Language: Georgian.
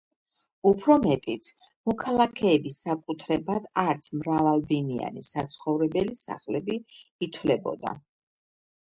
უფრო მეტიც: მოქალაქეების საკუთრებად არც მრავალბინიანი საცხოვრებელი სახლები ითვლებოდა.